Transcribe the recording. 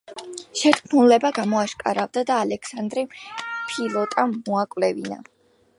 შეთქმულება გამოაშკარავდა და ალექსანდრემ ფილოტა მოაკვლევინა.